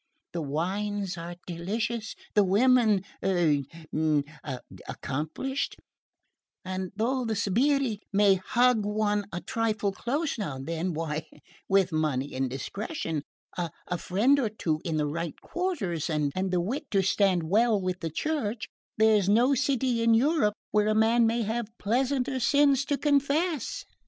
The wines are delicious, the women er accomplished and though the sbirri may hug one a trifle close now and then, why, with money and discretion, a friend or two in the right quarters, and the wit to stand well with the Church, there's no city in Europe where a man may have pleasanter sins to confess."